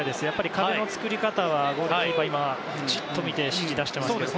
壁の作り方はゴールキーパーがしっかり見て指示を出してましたから。